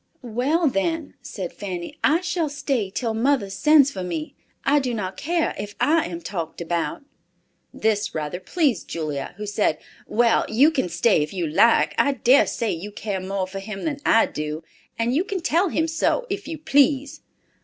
"Well, then," said Fanny, "I shall stay till mother sends for me. I do not care if I am talked about." This rather pleased Julia, who said, "Well, you can stay if you like. I dare say you care more for him than I do, and you can tell him so, if you please."